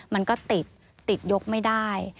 มันก็ติดติดยกไม่ได้